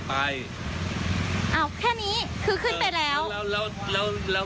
และคุณบอกว่า